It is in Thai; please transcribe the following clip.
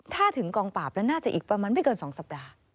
ถ้าถึงกองปราบแล้วน่าจะอีกประมาณไม่เกิน๒สัปดาห์